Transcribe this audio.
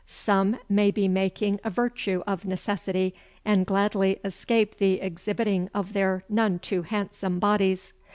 Some may be making a virtue of necessity and gladly escape the exhibiting of their none too handsome bodies.